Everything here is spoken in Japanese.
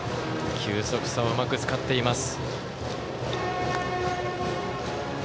球速差をうまく使っています。